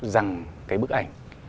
rằng cái bức ảnh